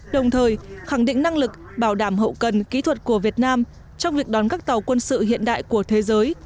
đồng thời khẳng định năng lực bảo đảm hậu cần kỹ thuật của việt nam trong việc đón các tàu quân sự hiện đại của thế giới